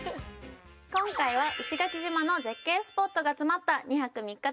今回は石垣島の絶景スポットが詰まった２泊３日